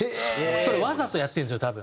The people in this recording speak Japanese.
それわざとやってるんですよ多分。